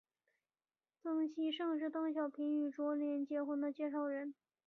曾希圣是邓小平与卓琳结婚的介绍人。